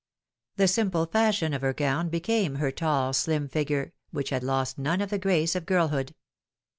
The simple fashion of her gown became her tall, slim figure, which had lost none of the grace of girlhood.